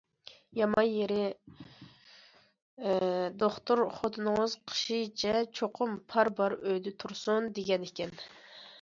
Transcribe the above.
يامان يېرى دوختۇر خوتۇنىڭىز قىشىچە چوقۇم پار بار ئۆيدە تۇرسۇن، دېگەنىكەن.